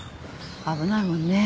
危ないもんね。